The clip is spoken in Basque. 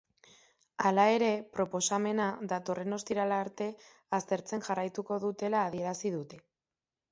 Hala ere, proposamena datorren ostirala arte aztertzen jarraituko dutela adierazi dute.